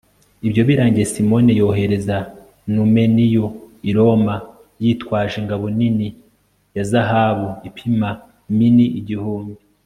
ibyo birangiye, simoni yohereza numeniyo i roma yitwaje ingabo nini ya zahabu ipima mini igihumbi